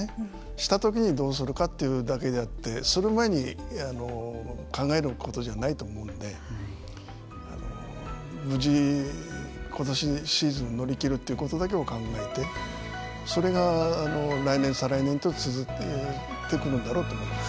したときにどうするかというだけであってする前に考えることじゃないと思うので無事ことしシーズン乗り切るということだけを考えてそれが来年再来年と続いてくるんだろうと思います。